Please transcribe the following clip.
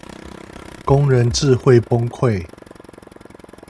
工人智慧崩潰